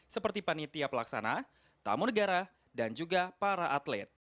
seperti panitia pelaksana tamu negara dan juga para atlet